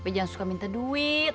jangan suka minta duit